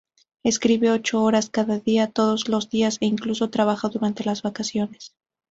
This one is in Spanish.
Escribe ocho horas cada día, todos los días, e incluso trabaja durante las vacaciones.